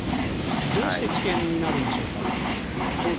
どうして危険になるんでしょうか。